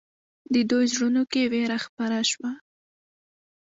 د دوی زړونو کې وېره خپره شوه.